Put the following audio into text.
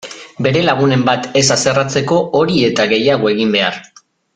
Bere lagunen bat ez haserretzeko hori eta gehiago egin behar!